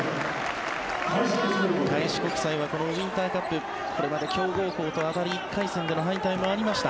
開志国際はこのウインターカップこれまで強豪校と当たり１回戦での敗退もありました。